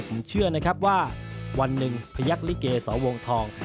ผมเชื่อนะครับว่าวันหนึ่งพยักษลิเกสวงทอง